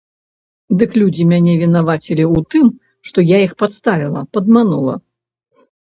Дык людзі мяне вінавацілі ў тым, што я іх падставіла, падманула.